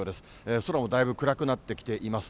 空もだいぶ暗くなってきています。